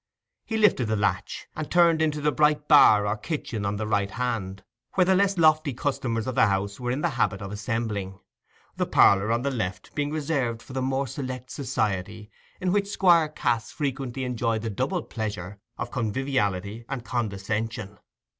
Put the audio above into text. He lifted the latch, and turned into the bright bar or kitchen on the right hand, where the less lofty customers of the house were in the habit of assembling, the parlour on the left being reserved for the more select society in which Squire Cass frequently enjoyed the double pleasure of conviviality and condescension.